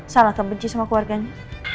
salah kebenci sama keluarganya